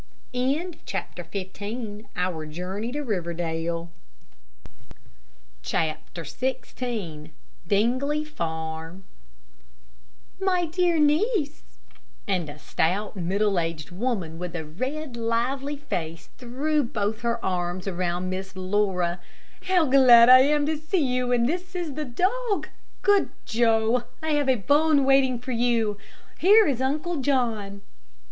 CHAPTER XVI DINGLEY FARM "My dear niece," and a stout, middle aged woman, with a red, lively face, threw both her arms around Miss Laura, "How glad I am to see you, and this is the dog. Good Joe, I have a bone waiting for you. Here is Uncle John."